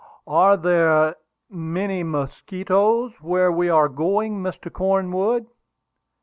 "Are there many mosquitoes where we are going, Mr. Cornwood?"